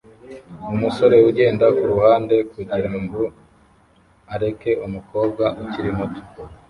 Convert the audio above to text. Umusore ugenda kuruhande kugirango areke umukobwa ukiri muto